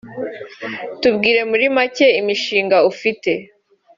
Tubwire muri make imishinga ufite